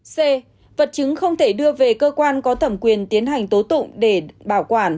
c vật chứng không thể đưa về cơ quan có thẩm quyền tiến hành tố tụng để bảo quản